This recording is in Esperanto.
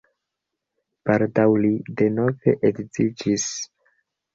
Baldaŭ li denove edziĝis.